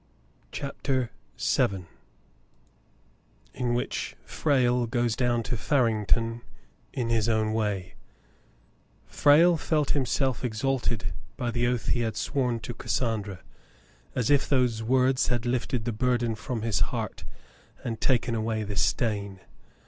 CHAPTER VII IN WHICH FRALE GOES DOWN TO FABINGTON IN HIS OWN WAY Frale felt himself exalted by the oath he had sworn to Cassandra, as if those words had lifted the burden from ^ his heart, and taken away the stain.